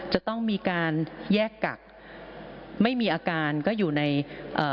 จะต้องมีการแยกกักไม่มีอาการก็อยู่ในเอ่อ